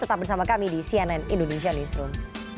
tetap bersama kami di cnn indonesia newsroom